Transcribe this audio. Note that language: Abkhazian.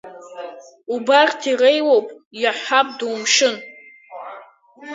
Убарҭ иреиуоуп, иаҳҳәап, думшьын.